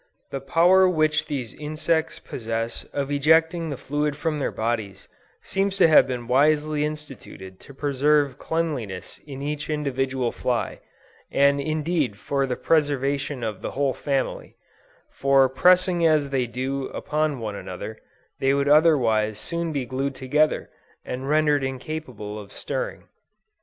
The power which these insects possess of ejecting the fluid from their bodies, seems to have been wisely instituted to preserve cleanliness in each individual fly, and indeed for the preservation of the whole family; for pressing as they do upon one another, they would otherwise soon be glued together, and rendered incapable of stirring.